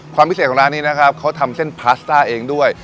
ความพิเศษของร้านนี้นะครับเขาทำเส้นพาสต้าเองด้วย